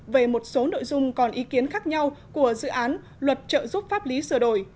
về một số nội dung còn ý kiến khác nhau của dự án luật trợ giúp pháp lý sửa đổi